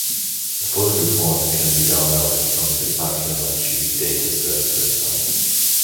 The full report can be downloaded from the Archaeology Data Service website.